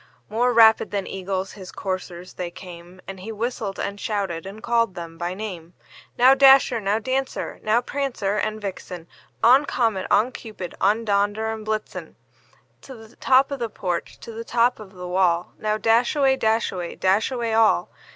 More rapid than eagles his coursers they came, And he whistled, and shouted, and called them by name; "Now, Dasher! now, Dancer! now, Prancer and Vixen! On! Comet, on! Cupid, on! Dunder and Blitzen To the top of the porch, to the top of the wall! Now, dash away, dash away, dash away all!"